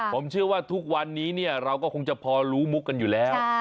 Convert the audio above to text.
ผมเชื่อว่าทุกวันนี้เราก็คงจะพอรู้มุกกันอยู่แล้ว